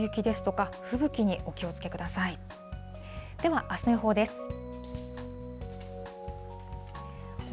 では、あすの予報です。